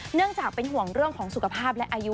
เนื่องจากเป็นห่วงเรื่องของสุขภาพและอายุ